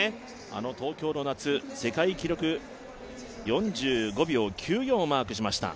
あの東京の夏、世界記録、４５秒９４をマークしました。